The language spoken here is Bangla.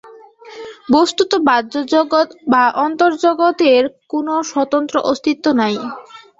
বস্তুত বাহ্যজগৎ বা অন্তর্জগতের কোন স্বতন্ত্র অস্তিত্ব নাই।